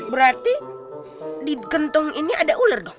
berarti di gentong ini ada ular dong